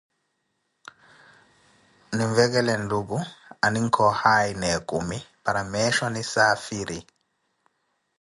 Ninvekhele Nluku, aninke ohaayi na ekumi para meesho nisaafiri.